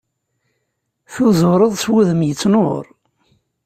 Tuzureḍ s wudem yettnur.